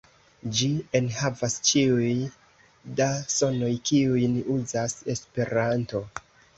Ĝi enhavas ĉiuj da sonoj, kiujn uzas Esperanto.